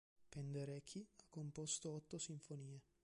Penderecki ha composto otto sinfonie.